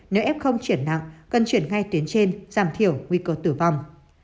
nếu f chuyển nặng cần chuyển ngay tuyến trên giảm thiểu nguy cơ tử vong